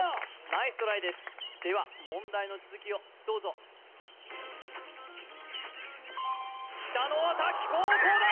ナイストライですでは問題の続きをどうぞきたのは滝高校だ！